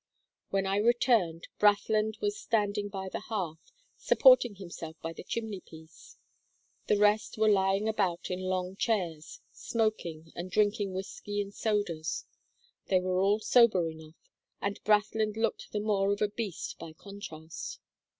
"When I returned Brathland was standing by the hearth, supporting himself by the chimney piece. The rest were lying about in long chairs, smoking, and drinking whiskey and sodas. They were all sober enough, and Brathland looked the more of a beast by contrast.